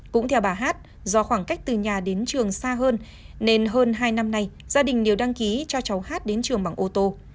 cũng theo bà hát do khoảng cách từ nhà đến trường xa hơn nên hơn hai năm nay gia đình đều đăng ký cho cháu hát đến trường bằng ô tô